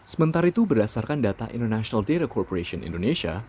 sementara itu berdasarkan data international day corporation indonesia